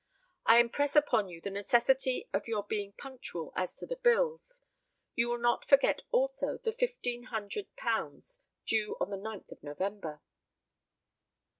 I impress upon you the necessity of your being punctual as to the bills. You will not forget also the £1,500 due on the 9th of November."